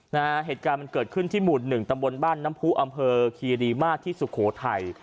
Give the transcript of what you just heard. เหตุการณ์มันเกิดขึ้นที่หมู่หนึ่งตำบลบ้านน้ำผู้อำเภอคีรีมาศที่สุโขทัย